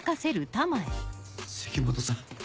関本さん。